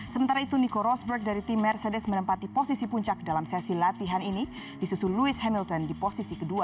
sementara itu niko rosberg dari tim mercedes menempati posisi puncak dalam sesi latihan ini disusul louis hamilton di posisi kedua